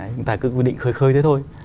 chúng ta cứ quy định khơi khơi thế thôi